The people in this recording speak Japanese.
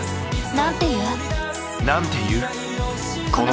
なんて言う？